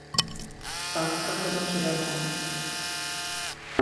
幕閣の利れ者